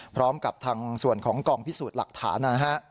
พร้อมกับทางส่วนของกองพิสูจน์หลักฐานนะฮะ